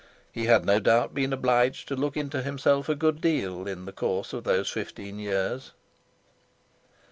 He had no doubt been obliged to look into himself a good deal in the course of those fifteen years.